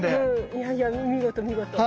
いやいや見事見事。